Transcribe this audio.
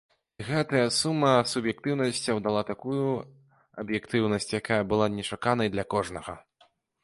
І гэтая сума суб'ектыўнасцяў дала такую аб'ектыўнасць, якая была нечаканай для кожнага.